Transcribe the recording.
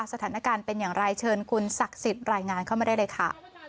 สถานการณ์เป็นอย่างไรเชิญคุณศักดิ์สิทธิ์รายงานเข้ามาได้เลยค่ะ